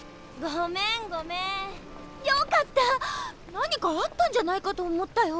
何かあったんじゃないかと思ったよ。